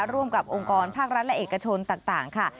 ร่วมกับองค์กรภาครัฐและเอกชนต่างค่ะ